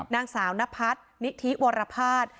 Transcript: นางสาวนพัฒน์นิธีวรพาส